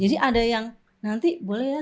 jadi ada yang nanti boleh ya